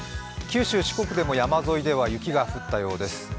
九州、四国でも山沿いでは雪が降ったようです。